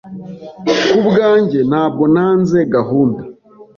Ku bwanjye, ntabwo nanze gahunda.